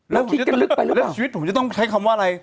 แล้วชีวิตผมจะต้องใช้คำว่าอะไร